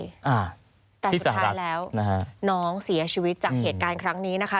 อ่าแต่สุดท้ายแล้วนะฮะน้องเสียชีวิตจากเหตุการณ์ครั้งนี้นะคะ